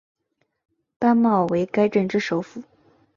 班茂为该镇之首府。